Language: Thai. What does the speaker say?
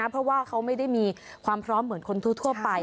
เพราะว่าเขาไม่ได้มีความพร้อมเหมือนคนทั่วไป